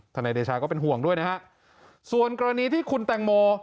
นายเดชาก็เป็นห่วงด้วยนะฮะส่วนกรณีที่คุณแตงโม